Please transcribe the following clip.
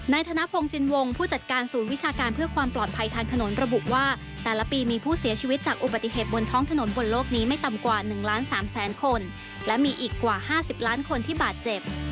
ธนพงศ์จินวงผู้จัดการศูนย์วิชาการเพื่อความปลอดภัยทางถนนระบุว่าแต่ละปีมีผู้เสียชีวิตจากอุบัติเหตุบนท้องถนนบนโลกนี้ไม่ต่ำกว่า๑ล้าน๓แสนคนและมีอีกกว่า๕๐ล้านคนที่บาดเจ็บ